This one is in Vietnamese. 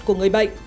của người bệnh